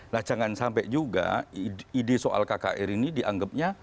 nah jangan sampai juga ide soal kkr ini dianggapnya